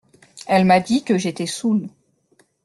Elle m’a dit que j’étais saoul.